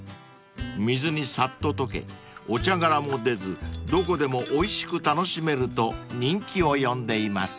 ［水にさっと溶けお茶がらも出ずどこでもおいしく楽しめると人気を呼んでいます］